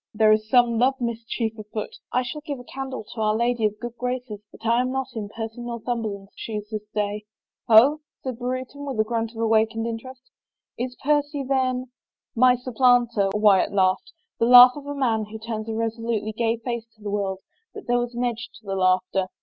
" There is some love mischief afoot — I shall give a candle to Our Lady of GoocJ Chances that I am not in Percy of Northumberland's shoes this day." " Ho !" said Brereton with a grunt of awakened inter est. " Is Percy then —"" My supplanter !" Wyatt laughed — the laugh of a man who turns a resolutely gay face to the world, but there was an edge to the laughter.